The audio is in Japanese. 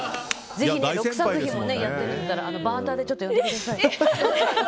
６作品もやってたらバーターでちょっと呼んでください。